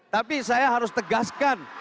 tapi saya harus tegaskan